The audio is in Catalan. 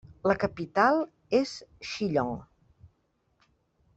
La capital és Shillong.